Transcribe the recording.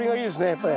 やっぱり。